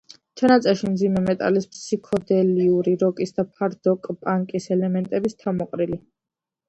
ჩანაწერში მძიმე მეტალის, ფსიქოდელიური როკის და ჰარდკორ-პანკის ელემენტების თავმოყრილი.